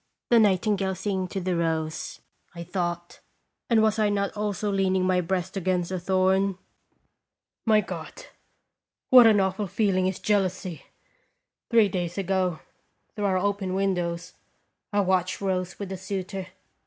The nightingale singing to the rose, I thought ; and was I not also leaning my breast against a thorn ? My God! What an awful feeling is jealousy! Three days ago, through our open windows, I watched Rose with a suitor.